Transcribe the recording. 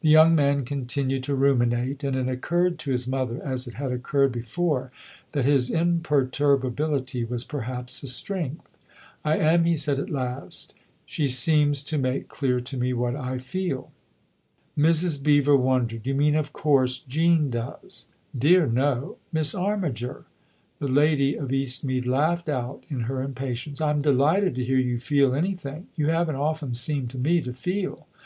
The young man continued to ruminate, and it occurred to his mother, as it had occurred before, that his imperturbability was perhaps a strength. " I am," he said at last. " She seems to make clear to me what I feel." 130 THE OTHER HOUSE Mrs. Beever wondered. "You mean of course Jean does." " Dear no Miss Armiger !" The lady of Eastmead laughed out in her impatience. " I'm delighted to hear you feel any thing. You haven't often seemed to me to feel."